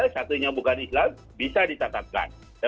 satunya bukan islam bisa dicatatkan